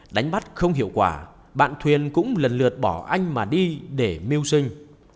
đánh bắt không hiệu quả bạn thuyền cũng lần lượt bỏ anh mà đi để mưu sinh